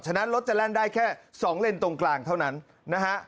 ฉะนั้นรถจะแล่นได้แค่๒เลนตรงกลางเท่านั้นนะฮะ